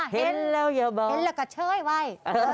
เห็นแล้วก็เชยไว้